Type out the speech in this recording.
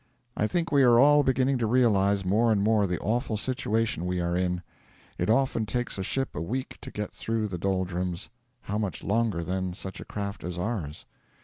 'I think we are all beginning to realise more and more the awful situation we are in.' 'It often takes a ship a week to get through the doldrums; how much longer, then, such a craft as ours?'